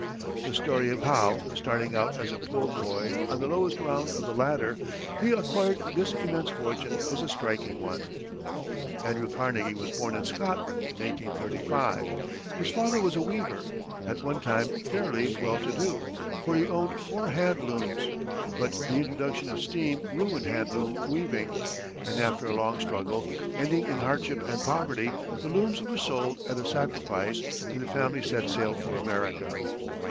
The story of how, starting out as a poor boy, on the lowest round of the ladder, he acquired this immense fortune, is a striking one. Andrew Carnegie was born in Scotland in 1835. His father was a weaver, at one time fairly well to do, for he owned four hand looms; but the introduction of steam ruined hand loom weaving, and after a long struggle, ending in hardship and poverty, the looms were sold at a sacrifice and the family set sail for America.